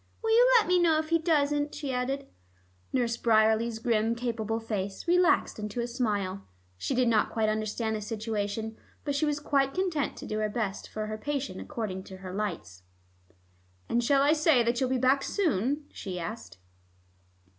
"Will you let me know if he doesn't?" she added. Nurse Bryerley's grim capable face relaxed into a smile. She did not quite understand the situation, but she was quite content to do her best for her patient according to her lights. "And shall I say that you'll be back soon?" she asked.